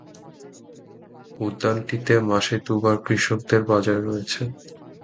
উদ্যানটিতে মাসে দুবার কৃষকদের বাজার রয়েছে।